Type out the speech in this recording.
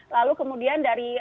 lalu kemudian dari